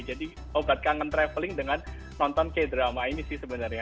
jadi obat kangen traveling dengan nonton kaya drama ini sih sebenarnya